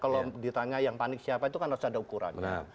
kalau ditanya yang panik siapa itu kan harus ada ukurannya